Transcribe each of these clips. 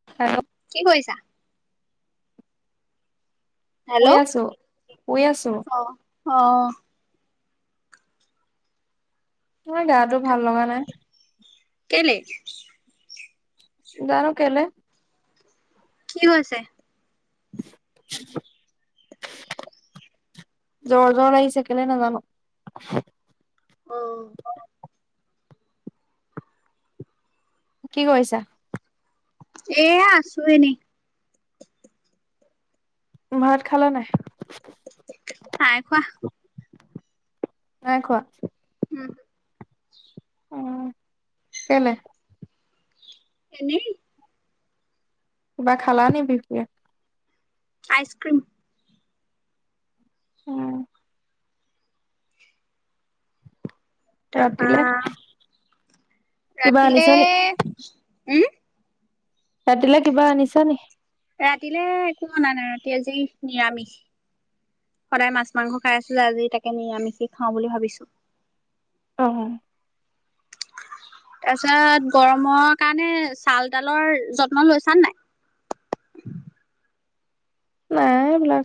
[unintelligible] কি কৰিছা? শুই হেল্ল' আছো শুই আছো অ', অ'। বৰ গাটো ভাল লগা নাই। কেলে? জানো কেলে। কি হৈছে? [unintelligible] জ্বৰ, জ্বৰ লাগিছে কেলে নাজানো। অ'। কি কৰিছা? এয়া আছো এনেই। ভাত খালা নাই? নাই খোৱা। নাই খোৱা? উম। উ', কেলে? এনেই। কিবা খালা নে বিফিয়া? আইচ-ক্ৰীম। উম'। তাৰপা, ৰাতিলে কিবা আনিছা ৰাতিলে নি উম। ৰাতিলে কিবা আনিছা নেকি? ৰাতিলে একো অনা নাই, ৰাতি আজি নিৰামিষ। সদায় মাছ মাংস খাই আছো যে, আজি তাকে নিৰামিষি খাওঁ বুলি ভাবিছো। অ' হয়। তাপিছত গৰমৰ কাৰণে চাল-তালৰ যত্ন লৈছা নাই? নাই এইবিলাক।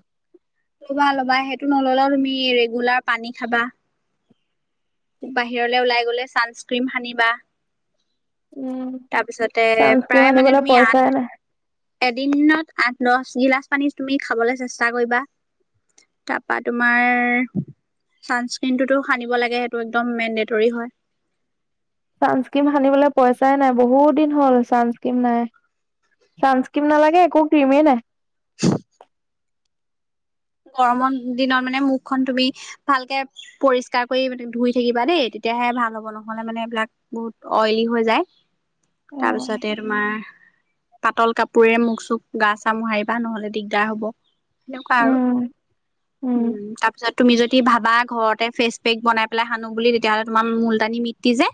ল'বা, ল'বা সেইটো নল'লেও তুমি ৰেগুলাৰ পানী খাবা। বাহিৰলৈ ওলাই গলে ছানস্ক্ৰীম সানিবা। উম। তাৰপিছতে চানস্ক্ৰীম প্ৰায় মানে আনিবলৈ তুমি পইচাই আঠ নাই এদিনত আঠ দহ গিলাচ পানী তুমি খাবলৈ চেষ্টা কৰিবা। তাৰপা তোমাৰ চানস্্ৰ্ৰীন টোতো সানিব লাগে সেইটো একদম মেডেটৰী হয়। চানস্ক্ৰীম সানিবলৈ পইচাই নাই বহুত দিন হ'ল ছানস্ক্ৰীম নাই। চানস্কিম নালাগে একো কিমেই নাই। গৰমৰ দিনত মানে মুখখন তুমি ভালকে পৰিষ্কাৰ কৰি মানে ধুই থাকিবা দেই তেতিয়াহে ভাল হ'ব নহ'লে মানে এইবিলাক বহুত অইলি হৈ যায়, উম তাৰপিছতে তোমাৰ পাতল কাপোৰে মখ চুখ গা চা মোহাৰিবা নহলে দিগদাৰ হব, সেনেকুৱা আৰু। উম উম তাৰ পিছত তুমি যদি ভাবা ঘৰতে ফে পেক বনাই পেলাই সানো বুলি তেতিয়াহ'লে তোমাৰ মূলতানি মি্টি যে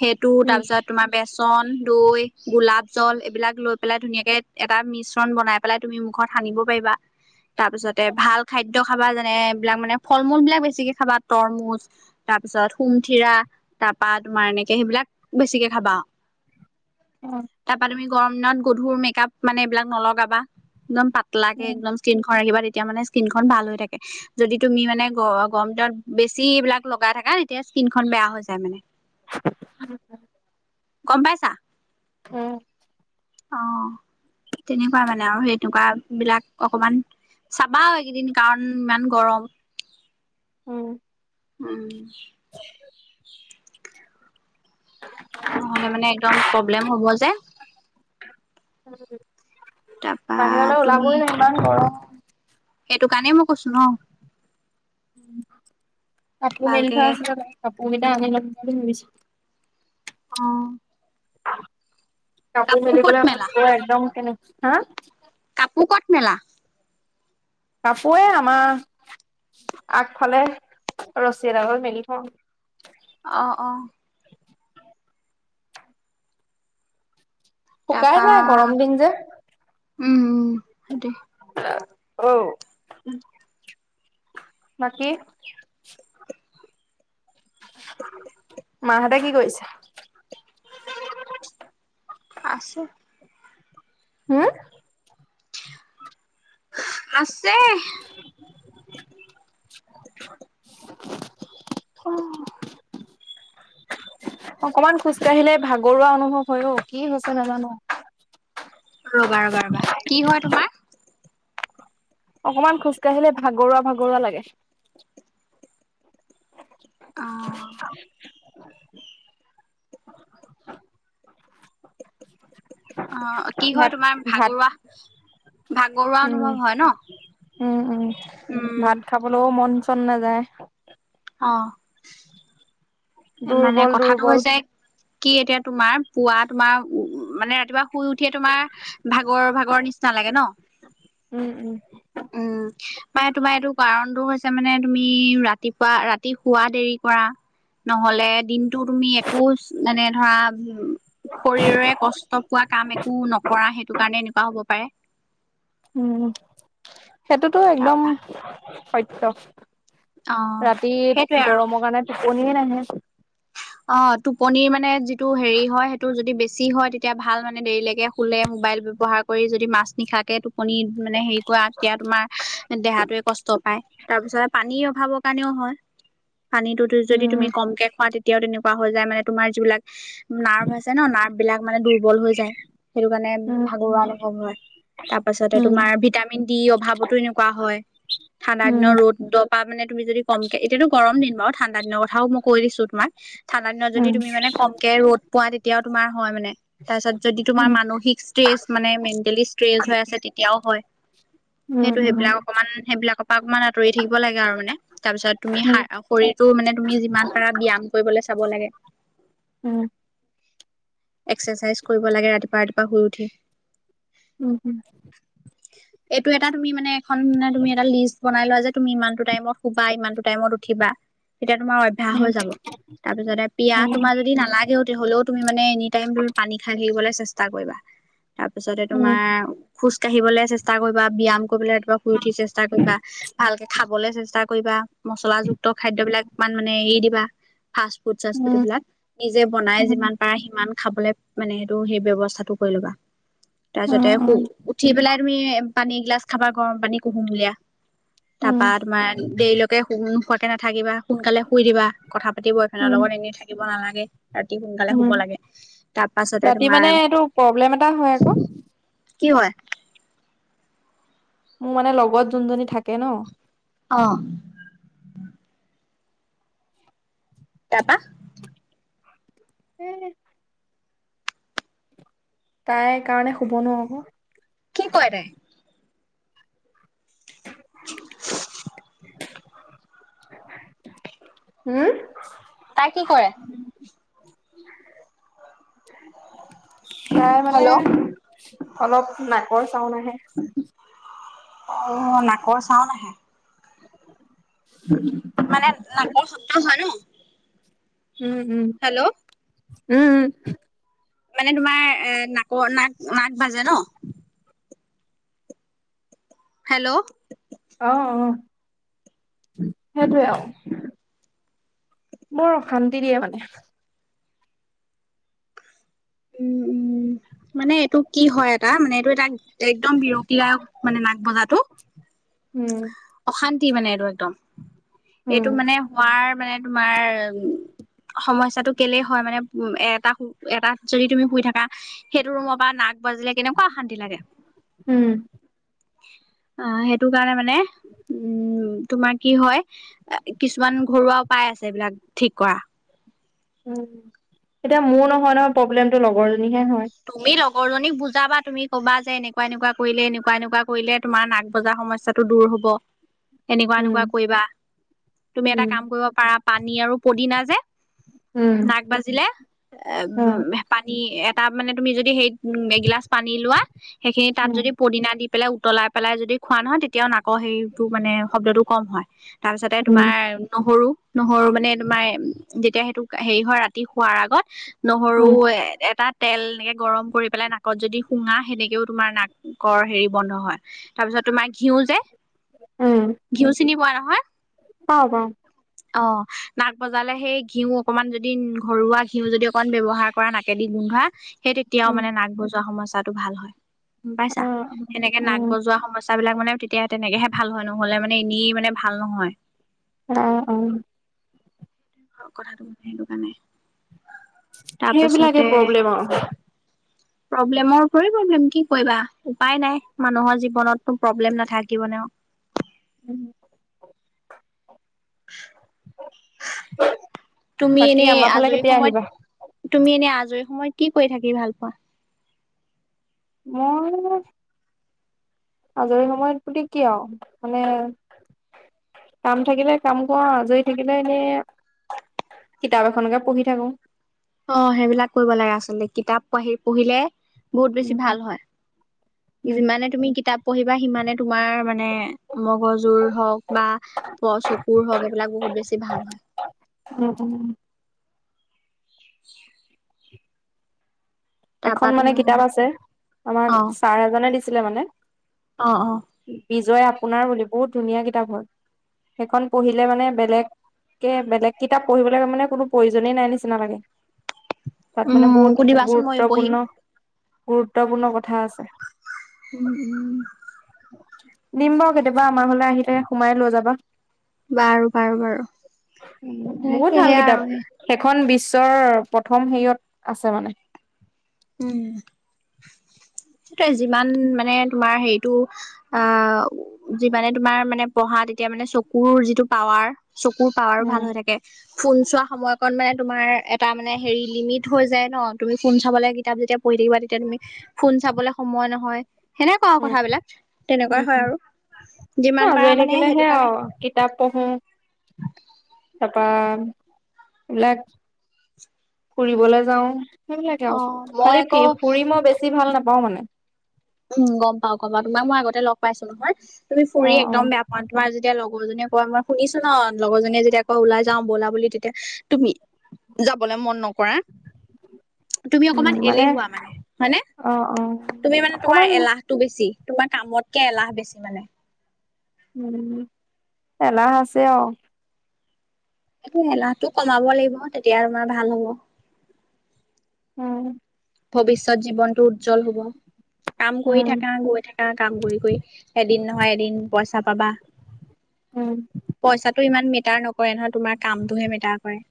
সেইটো উম তাৰপিছত তোমাৰ বেচন দৈ গোলাপ জল এইবিলাক লৈ পেলাই ধুনীয়াকে এটা মিশ্ৰণ বনাই পে তুমি মুখত সানিব পাৰিবা। [inaudible] তাৰপিছতে ভাল খাদ্য খাবা যেনে এইবিলাক মানে ফল মূল বিলাক বেছিকে খাবা তৰমুজ। তাৰ পিছত সোমথিৰা, তাৰপা তোমাৰ এনেকে সেইবিলাক বেছিকে খাবা। তাৰপা তুমি গৰম দিনত গধুৰ মেকপ মানে এইবিলাক নলগাবা, একদম প লাগে উম একদম স্কনখন ৰাখিবা তেতিয়া মানে স্কনখন ভাল হৈ থাকে যদি তুমি মানে গ গৰম দিনত বেছি এইবিলাক লগাই থাকা এতিয়া স্কিনখন বেয়া হৈ যায় মানে, গম পাইছা? উম অ তেনেকুৱা মানে আৰু সেই তেকুৱা বিলাক অকমান চাবা এইকেইদিন কাৰণ ইমান গৰম উম উম নহলে মানে একদম প্ৰব্লেম হ'ব যে তাৰপা বাহিৰলৈ তুমি ওলাবই ন ইমান ঘৰম সেইটো কাৰণেই মই কৈছো ন কাপু মেৰি ভালকে খ কাপু মি ত আনি লাগি অঁ কাপোৰ ক'ত মেলিবলৈ মেলা? ভাল একদম কেনেক হা কাপোৰ কট নো কাপোে আমাৰ আগফালে ৰছী এডালৰ মেলি থওঁ অ অ শুকাই যায় তাৰপা গৰম দিন যে উম উম সেইটোৱে অ বাকী মাহঁতে কি কৰিছো আছে হম আছে [inaudible] অ অকমান খোজ কঢ়িলে ভাগৰুৱা অনুভৱ হয় অ কি হৈছে নাজানো ৰবা ৰবা ৰবা কি হয় তোমাৰ অকমান খোজকাাঢ়িলে ভাগৰুৱা ভাগৰুৱা লাগে অ [inaudible] অ কি হয় ভাত তোমাৰ ভাত ভাগৰুৱা ভাগৰুৱা উম অনুভৱ হয় ন উম উম উম ভাত খাবলৈও মন চন নাযায় অঁ মানে দুৰ্বল কথাটো দুৰ্বল হৈছে কি এতিয়া তোমাৰ পুৱা তোমাৰ উ মানে ৰাতিপুৱা শুই উঠিয়ে তোমাৰ ভাগৰ ভাগৰ নিচিনা লাগে ন উম উম উম উম তোমাৰ এইটো কাৰণটো হৈছে আ মানে তুমি ৰাতিপুৱা ৰাতিৰ শুৱা দেৰি কৰা নহ'লে দিনতটো তুমি একো মানে ধৰা শৰীৰে কষ্ট পোৱা কাম একো নকৰা সেইটো কাৰণে এনেকুৱা হ'ব পাৰে উম সেইটোতো একদম তাৰপা সত্য অ ৰাতি সেইটোৱে আৰু গৰমৰ কাৰণে টোপনিয়ে নাহে। অ টোপনিৰ মানে যিটো হেৰি হয় সেইটো যদি বেছি হয় তেতিয়া ভাল মানে দেৰিলৈকে শুলে মোবাইল ব্যৱহাৰ কৰি যদি মাজ নিশাকে টোপনি মানে হেৰি কৰা তেতিয়া তোমাৰ দেহাতোৱে কষ্ট পায় তাৰপিছত পানী খাব কাৰণেও হয় পানীটো যদি তুমি উম। কমকে খোৱা তেতিয়া। এতিয়াও তেনেকুৱা হৈ যায় মানে তোমাৰ যিবিলাক। নাৰ্ভ আছে নাৰ্ভ বিলাক মানে দুৰ্বল হৈ যায় সেইটো কাৰণে উম ভাগৰুৱা অনুভৱ হয়। তাৰ পাছতে উম তোমাৰ ভিটামিন ডি অভাৱতো এনেকুৱা হয় ঠাণ্ডা দিনত উম ৰ'দ পা মানে তুমি যদি কমকে এতিয়া গৰম দিন বাৰু ঠাণ্ডা দিনৰ কথাও মই কৈ দিছোঁ তোমাক ঠাণ্ডা দিনত যদি উম তুমি মানে কমকে ৰ'দ পোৱা তেতিয়াও তোমাৰ হয় মানে তাৰপিছত যদি তোমাৰ মানসিক ষ্ট্ৰেচ মানে মেণ্টেলি ষ্ট্ৰেচ হৈ আছে তেতিয়াও হয়। উম সেইটো সেইবিলাক অকণমান সেইবিলাক অকমান আঁতৰি থাকিব লাগে আৰু মানে তাৰ পিছত তুমি উম শৰীৰতটো মানে তুমি যিমান পাৰা ব্যায়াম কৰিবলৈ চাব লাগে। উম এক্সাৰচাইজ কৰিব লাগে ৰাতিপুৱা ৰাতিপুৱা শুই উঠি। উম, হম। এইটো এটা তুমি মানে এখনে তুমি এটা লিষ্ট বনাই লোৱা যে তুমি ইমান টো টাইমত শুবা ইমানটো টাইমত উঠিবা। তেতিয়া তোমাৰ অভ্যাস উম। হৈ যাব। তাৰ পিছতে পিয়াহ উম তোমাৰ যদি নালাগেও হ'লেও তুমি মানে এনি টাইমটোত তুমি পানী খাই থাকিবলৈ চেষ্টা কৰিবা। তাৰপিছতে উম তোমাৰ খোজ কাঢ়িবলৈ চেষ্টা কৰিবা ব্যায়াম কৰিবলৈ ৰাতিপুৱা শুই উঠি চেষ্টা কৰিবা ভালকে খাবলৈ চেষ্টা কৰিবা মচলাযুক্ত খাদ্যবিলাক ইমান মানে এৰি দিবা ফাষ্ট ফুড চাষ্ট উম ফুড উম এইবিলাক। নিজে বনাই উম উম উম যিমান পাৰে সিমান খাবলৈ মানে সেইটো সেই ব্যৱস্থাটো কৰি ল'বা। তাৰ পিছতে উঠি পেলাই তুমি পানী গিলাচ খাবা গৰম পানী কুহুমুলিয়া। উম উম তাৰপা তোমাৰ দেৰিলৈকে নোখোৱাকে নাথাকিবা সোনকালে শুই দিবা কথা পাতিব। উম লগত এনেই থাকিব নালাগে ৰাতি সোনকালে শুব উম লাগে। তাৰ পাছতে ৰাতি তোমাৰ মানে এইটো প্ৰব্লেম এটা হয় আকৌ। কি হয়? মোৰ মানে লগত যোনজনী থাকে ন। অ'। তাৰপা? সেই তাই কাৰণে শুব নোৱাৰো আকৌ। কি কৰে তাই? [inaudible] হম? তাই কি কৰে? তাই মানে হেল্ল' অলপ নাকৰ চাউন আহে। অ', নাকৰ চাউন আহে। [inaudible] মানে নাকৰ শব্দ হয় ন। উম, উম। হেল্ল'। উম, উম। মানে তোমাৰ এ নাকৰ নাক নাক বাজে ন। হেল্ল'। অ', অ', সেইটোৱে আৰু। বৰ অশান্তি দিয়ে মানে। উম, উম মানে এইটো কি হয় এটা মানে এইটো এটা একদম বিৰতি দায়ক মানে নাক বজাতটো। উম। অশান্তি মানে এইটো একদম। উম, এইটো মানে শোৱাৰ মানে তোমাৰ সমস্যটো কেলেই হয় মানে উম এটা এটাত যদি তুমি শুই থাকা সেইটো ৰুমৰ পৰা নাক বাজিলে কেনেকুৱা অশান্তি লাগে। উম। আহ সেইটো কাৰণে মানে উম তোমাৰ কি হয় কিছুমান ঘৰুৱা উপায় আছে এইবিলাক ঠিক কৰা। উম, এতিয়া মোৰ নহয় নহয় প্ৰব্লেমটো লগৰজনীহে হয়। তুমি লগৰ জনীক বুজাবা তুমি কবা যে এনেকুৱা এনেকুৱা কৰিলে এনেকুৱা এনেকুৱা কৰিলে তোমাৰ নাক বজাৰ সমস্যা টো দূৰ হ'ব এনেকুৱা উম, এনেকুৱা কৰিবা। তুমি এটা উম, কাম কৰিব পাৰা পানী আৰু পদিনা যে। উম, নাক বাজিলে এ, অ', উম, পানী এটা মানে তুমি যদি সেই এগিলাচ পানী লোৱা সেইখিনি তাত উম, যদি পদিনা দি পেলাই উতলাই পেলাই যদি খোৱা নহয়, তেতিয়াও নাকৰ সেইটো মানে শব্দটো কম হয়। তাৰপিছতে উম, তোমাৰ নহৰু নহৰু মানে তোমাৰ যেতিয়া সেইটো হেৰি হয় ৰাতি শোৱাৰ আগত নহৰু উম, এ এটাত তেল এনেকে গৰম কৰি পেলাই নাকত যদি শুঙা, সেনেকেও তোমাৰ নাকৰ হেৰি বন্ধ হয়। তাৰ পিছত তোমাৰ ঘিউ যে, ঘিউ চিনি পোৱা নহয়? অ', পাওঁ। অ', নাক বজালে সেই ঘিউ অকনমান যদি ঘৰুৱা ঘিউ, যদি অকন ব্যৱহাৰ কৰা নাকেদি গোন্ধোৱা সেই তেতিয়াও উম। মানে নাক বজোৱা সমস্যাটো ভাল হয়, গম পাইছা। অ', সেনেকে নাক উম, বজোৱা সমস্যা বিলাক মানে তেতিয়া তেনেকেহে ভাল হয়, নহ'লে মানে এনেই মানে ভাল নহয়। অ', অ'। কথাটো, সেইটো কাৰণে সেইবিলাকে তাৰপাছতে প্ৰব্লেম আৰু। প্ৰব্লেমৰ উপ প্ৰব্লেম [unintelligible] কি কৰিবা? উপায় নাই মানুহৰ জীৱনতো প্ৰব্লেম নাথাকিব নে আৰু? উম। তুমি বাকী এনেই আমাৰ ফালে আজৰি কেতিয়া সময়ত আহিবা? তুমি এনেই আজৰি সময়ত কি কৰি থাকি ভাল পোৱা? মই আজৰি সময়ত বুলি কি আৰু মানে কাম থাকিলে কাম কৰো, আজৰি থাকিলে এনে কিতাপ এখনকে পঢ়ি থাকো। অ', সেইবিলাক কৰিব লাগে, আচলতে কিতাপ পঢ়ি পঢ়িলে বহুত বেছি উম, ভাল হয়। [unintelligible] যিমানে তুমি কিতাপ পঢ়িবা, সিমানে তোমাৰ মানে মগজুৰ হওক বা প, চকুৰ হওক এইবিলাক বহুত বেছি ভাল হয়। উম, উম। [unintelligible] এখন তাৰপা মানে তোমাৰ কিতাপ আছে, আমাক অ ছাৰ এজনে দিছিলে মানে। অ', অ'। বিজয় আপোনাৰ বুলি, বহুত ধুনীয়া কিতাপ হয়। সেইখন পঢ়িলে মানে বেলেগ বেলেগ কিতাপ পঢ়িবলৈে মানে কোনো প্ৰয়োজনেই নাই নিচিনা লাগে। তাত উম মানে বহুত মোকো দিবাচোন ময়ো পঢ়িম গুৰুত্বপূৰ্ণ, গুৰুত্বপূৰ্ণ কথা আছে। উম, উম। দিম বাৰু কেতিয়াবা, আমাৰ ফালে আহিলে সোমাই লৈ যাবা। বাৰু বাৰু বাৰু সেনেকে বহুত ভাল সেয়া আৰু কিতাপ। সেই সেইখন বিশ্বৰ প্ৰথম হেৰিয়ত আছে মানে। উম, সেইটোয়ে যিমান মানে তোমাৰ হেৰিটো আহ, যিমানে তোমাৰ মানে পঢ়া তেতিয়া মানে চকুৰ যিটো পাৱাৰ চকুৰ পাৱাৰো ভাল উম হৈ থাকে। ফোন চোৱা সময়কণ মানে তোমাৰ এটা মানে হেৰি লিমিট হৈ যায় ন'। তুমি ফোন চাবলৈ কিতাপ যেতিয়া পঢ়ি থাকিবা, তেতিয়া তুমি ফোন চাবলে সময় নহয়। সেনেকোৱা উম কথাবিলাক, উম তেনেকুৱাই হয় উম আৰু যিমান আজৰি পাৰা মানে থাকিলেহে সেইটো কাৰণে আৰু কিতাপ পঢ়ো, তাৰপৰা এইবিলাক ফুৰিবলৈ যাওঁ, সেইবিলাকে অ আৰু, মই খালি ফ আকৌ ফুৰি মই বেছি ভাল নাপাওঁ মানে। উম, গম পাওঁ, কবাত তোমাক মই আগতে লগ পাইছো নহয়। তুমি ফুৰি একদম উম বেয়া অ' তোমাৰ যেতিয়া লগৰ জনীয়ে কয়, মই শুনিছো ন' লগৰ জনীয়ে যেতিয়া কয় ওলাই যাওঁ ব'লা বুলি, তেতিয়া তুমি যাবলে ম'ন নকৰা। তুমি অকমান এলেহুৱা মানে হয়নে, অ অ তুমি মানে তোমাৰ অকমান এলাহতটো বেছি। তোমাৰ কামতকে এলাহ বেছি মানে। উম, এলাহ আছে আৰু। এইটো এলাহটো কমাব লাগিব। তেতিয়া তোমাৰ ভাল হ'ব। উম। ভৱিষ্যত জীৱনটো উজ্জ্বল হ'ব। কাম কৰি উম থাকা, গৈ থাকা, কাম কৰি-কৰি এদিন নহয় এদিন পইচা পাবা। উম পইচাটো ইমান মেটাৰ নকৰে নহয়, তোমাৰ কামটোহে মেটাৰ কৰে।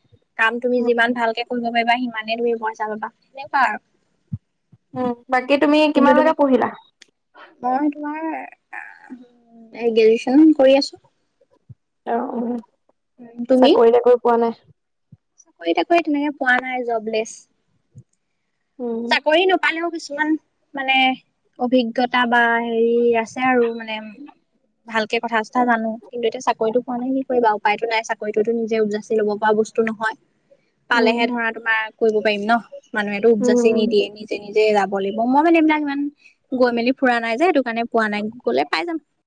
কাম তুমি উম যিমান ভালকে কৰিব পাৰিবা, সিমানে তুমি পইচা পাবা সেনেকুৱা আৰু। উম, বাকী তুমি কিন্তু তুমি কিমানলৈকে পঢ়িলা? মই তোমাৰ, গ্ৰেজুৱেচন কৰি আছোঁ। অহ', অহ'। চাকৰি-বাকৰি পোৱা নাই? চাকৰি-তাকৰি তেনেকে পোৱা নাই জবলেছ। উম। চাকৰি নপালেও কিছুমান, মানে অভিজ্ঞতা বা হেৰি আছে আৰু মানে। ভালকে কথা-চথা জানোঁ কিন্তু এতিয়া চাকৰিটো পোৱা নাই কি কৰিবা। উপায়টো নাই চাকৰিতোটো নিজে উপজাচি ল'ব পৰা বস্তু নহয়। উম পালেহে ধৰা তোমাৰ কৰিব পাৰিম ন' মানুহেতটো উপজাচে উম নিদিয়ে। তে নিজে যাব লাগিব। মই মানে এইবিলাক ইমান গৈ মেলি ফুৰা নাই যে, সেইটো কাৰণে পোৱা নাই গ'লে পাই যাম।